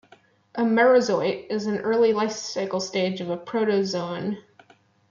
A merozoite is an early lifecycle stage of a protozoan.